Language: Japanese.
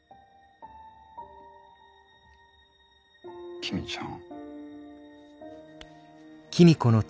公ちゃん。